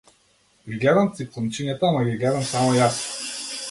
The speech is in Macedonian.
Ги гледам цикламчињата, ама ги гледам само јас.